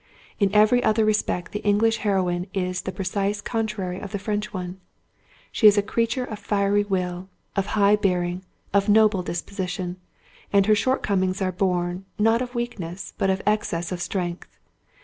In every other respect, the English heroine is the precise contrary of the French one: she is a creature of fiery will, of high bearing, of noble disposition; and her shortcomings are born, not of weakness, but of excess of strength.